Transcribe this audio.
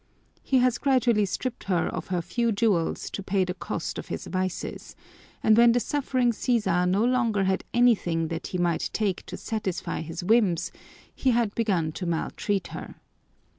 He has gradually stripped her of her few jewels to pay the cost of his vices, and when the suffering Sisa no longer had anything that he might take to satisfy his whims, he had begun to maltreat her.